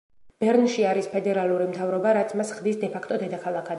ბერნში არის ფედერალური მთავრობა, რაც მას ხდის დე ფაქტო დედაქალაქად.